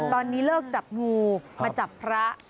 ตอนนี้เลิกจับงูมาจับพระ